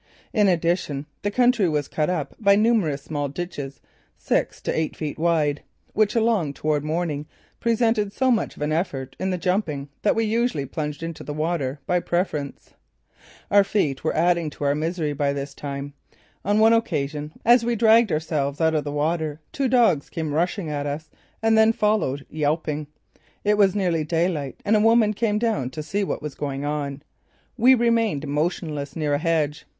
In addition, the country was cut up by numerous small ditches, six to eight feet wide, which along toward morning presented so much of an effort in the jumping that we usually plunged into the water by preference. Our feet were adding to our misery by this time. On one occasion, as we dragged ourselves out of the water, two dogs came rushing at us and then followed, yelping. It was nearly daylight and a woman came down to see what was going on. We remained motionless near a hedge.